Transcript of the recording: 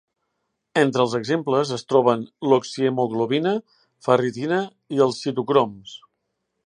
Entre els exemples es troben l'oxihemoglobina, ferritina, i els citocroms.